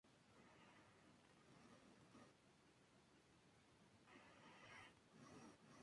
El actual director es Carles Llorens i Vila.